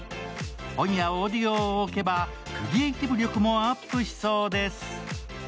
本やオーディオを置けばクリエイティブ力もアップしそうです。